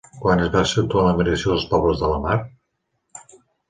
Quan es va accentuar l'emigració dels pobles de la mar?